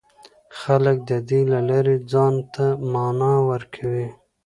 خلک د دې له لارې ځان ته مانا ورکوي.